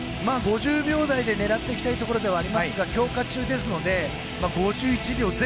５０秒台を狙っていきたいですが強化中ですので５１秒０。